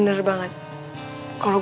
mereka pasti udah janji